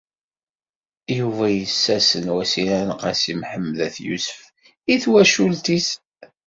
Yuba yessasen Wasila n Qasi Mḥemmed n At Yusef i twacult-is.